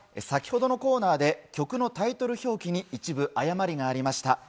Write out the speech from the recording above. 先程のコーナーで曲のタイトル表記に一部誤りがありました。